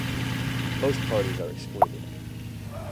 Most parties are excluded.